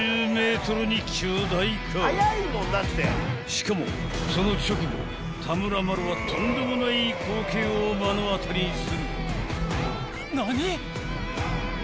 ［しかもその直後田村麻呂はとんでもない光景を目の当たりにする］